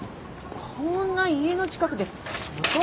こんな家の近くで外回り？